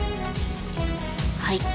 はい。